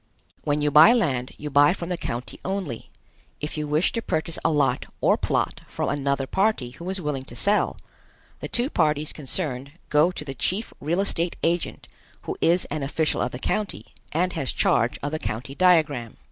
When you buy land you buy from the county only. If you wish to purchase a lot or plot from another party who is willing to sell, the two parties concerned go to the chief real estate agent who is an official of the county and has charge of the county diagram.